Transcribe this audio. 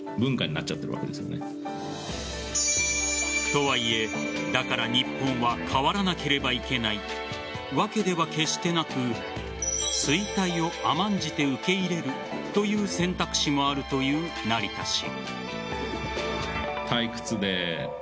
とはいえ、だから日本は変わらなければいけないわけでは決してなく衰退を甘んじて受け入れるという選択肢もあるという成田氏。